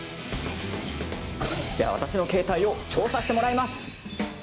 では、私の携帯を調査してもらいます。